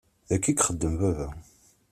Da i ixeddem baba.